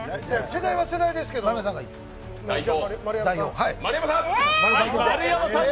世代は世代ですけど丸山さん。